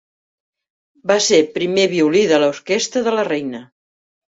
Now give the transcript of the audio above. Va ser primer violí de l'Orquestra de la Reina.